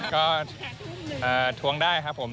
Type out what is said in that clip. ก็ทวงได้ครับผม